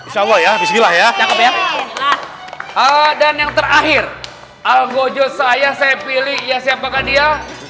sawah ya bisnillah ya cakep ya dan yang terakhir algo jaya saya pilih ya siapakah dia